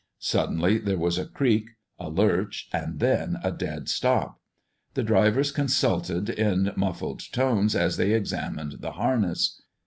Suddenly there was a creak, a lurch, and then a dead stop. The drivers consulted in muffled tones as they examined the harness.